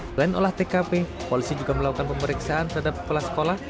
selain olah tkp polisi juga melakukan pemeriksaan terhadap kepala sekolah